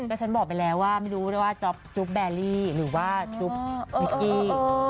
ก็ฉันบอกไปแล้วว่าไม่รู้นะว่าจ๊อปจุ๊บแบลลี่หรือว่าจุ๊บมิกกี้